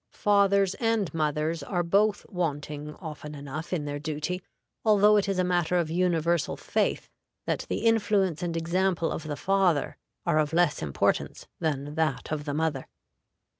Fathers and mothers are both wanting often enough in their duty, although it is a matter of universal faith that the influence and example of the father are of less importance than that of the mother.